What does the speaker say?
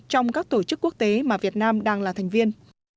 trong các tổ chức quốc tế mà việt nam đang là thành viên